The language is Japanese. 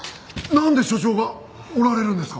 なんで署長がおられるんですか？